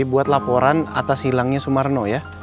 buat laporan atas hilangnya sumarno ya